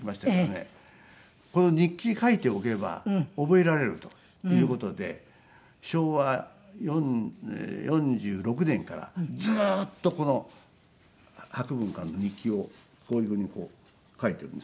この日記に書いておけば覚えられるという事で昭和４６年からずーっとこの博文館の日記をこういうふうに書いているんですね。